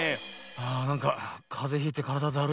あなんかかぜひいてからだだるい。